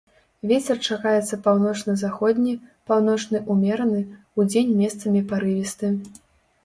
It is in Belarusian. Вецер чакаецца паўночна-заходні, паўночны ўмераны, удзень месцамі парывісты.